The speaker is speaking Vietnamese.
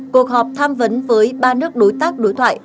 cuộc họp tham vấn với ba nước đối tác đối thoại